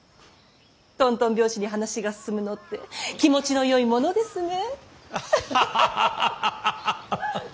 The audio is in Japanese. とんとん拍子に話が進むのって気持ちのよいものですね。